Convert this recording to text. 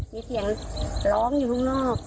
มีเสียงร้องอยู่ข้างนอก